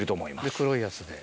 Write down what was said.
で黒いやつで。